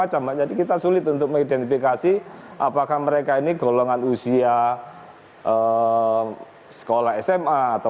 akan di datang untuk mengasasi aprend carrying household